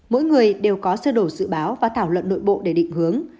mỗi người đều có sơ đồ dự báo và thảo luận nội bộ để định hướng